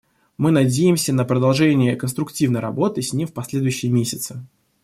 Мы надеемся на продолжение конструктивной работы с ним в последующие месяцы.